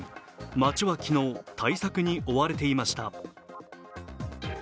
街は昨日、対策に追われていました